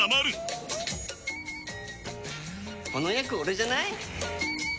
この役オレじゃない？